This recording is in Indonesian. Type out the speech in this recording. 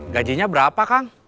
gajinya berapa kang